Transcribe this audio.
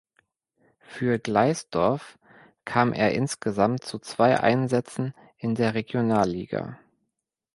Für Gleisdorf kam er insgesamt zu zwei Einsätzen in der Regionalliga.